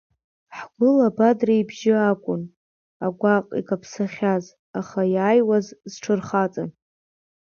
Ҳгәыла Бадра ибжьы акәын, агәаҟ, икаԥсахьаз, аха иааиуаз зҽырхаҵан.